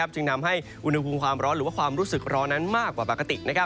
จึงทำให้อุณหภูมิความร้อนหรือว่าความรู้สึกร้อนนั้นมากกว่าปกติ